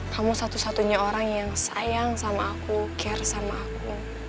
kamu satu satunya orang yang sayang sama aku care sama aku